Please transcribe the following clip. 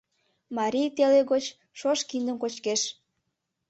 Марий теле гоч шож киндым кочкеш.